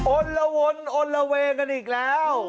โอนละวนโอนละเวงกันอีกแล้ว